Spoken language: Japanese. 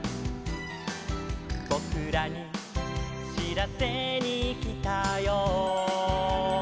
「ぼくらにしらせにきたよ」